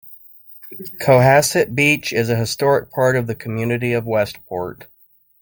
Cohassett Beach is a historic part of the community of Westport.